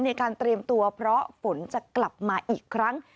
ในการเตรียมตัวเพราะฝนจะกลับมาอีกครั้ง